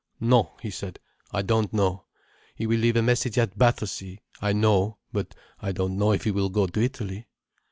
"No," he said. "I don't know. He will leave a message at Battersea, I know. But I don't know if he will go to Italy."